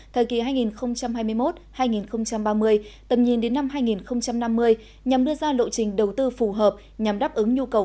thời kỳ hai nghìn hai mươi một hai nghìn ba mươi tầm nhìn đến năm hai nghìn năm mươi nhằm đưa ra lộ trình đầu tư phù hợp nhằm đáp ứng nhu cầu của